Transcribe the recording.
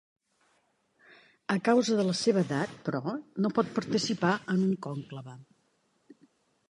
A causa de la seva edat, però, no pot participar en un conclave.